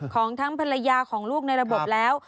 ของทั้งภรรยาของลูกในระบบแล้ว